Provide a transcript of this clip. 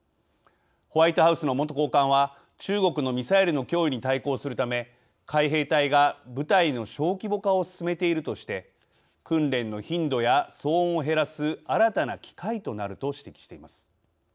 ホワイトハウスの元高官は中国のミサイルの脅威に対抗するため海兵隊が部隊の小規模化を進めているとして「訓練の頻度や騒音を減らす新たな機会となる」と指摘しています。